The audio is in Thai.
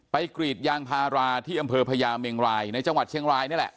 กรีดยางพาราที่อำเภอพญาเมงรายในจังหวัดเชียงรายนี่แหละ